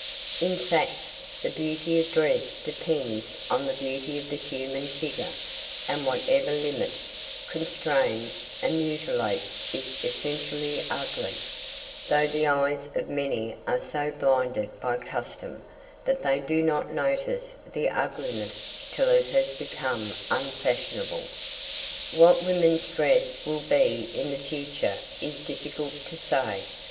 In fact, the beauty of dress depends on the beauty of the human figure, and whatever limits, constrains, and mutilates is essentially ugly, though the eyes of many are so blinded by custom that they do not notice the ugliness till it has become unfashionable. What women's dress will be in the future it is difficult to say.